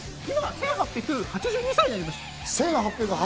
１８８２歳になりました。